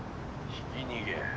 ひき逃げ。